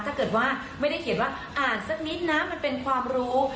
ถ้าเกิดว่าไม่ได้เขียนว่าอ่านสักนิดนะมันเป็นความรู้